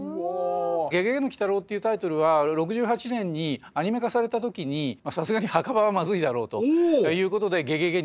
「ゲゲゲの鬼太郎」っていうタイトルは６８年にアニメ化された時に「さすがに『墓場』はまずいだろう」ということで「ゲゲゲ」になって。